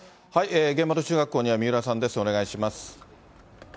現場の中学校には三浦さんです、お願いします。